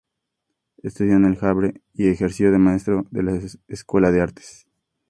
Estudió en El Havre y ejerció de maestro de escuela en Arras.